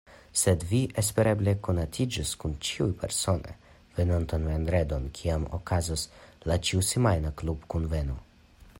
Sed vi espereble konatiĝos kun ĉiuj persone venontan vendredon, kiam okazos la ĉiusemajna klubkunveno.